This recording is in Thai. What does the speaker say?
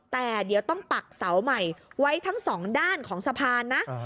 แต่เดี๋ยวต้องปักเสาใหม่ไว้ทั้งสองด้านของสะพานนะ